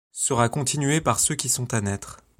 Sera continué par ceux qui sont à naître ;